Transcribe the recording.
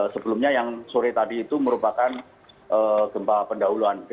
sebelumnya yang sore tadi itu merupakan gempa pendahuluan